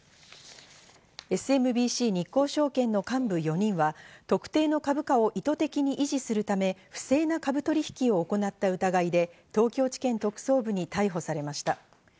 ＳＭＢＣ日興証券の幹部４人は特定の株価を意図的に維持するため、不正な株取引を行った疑いで東京地検特捜部に逮捕されました。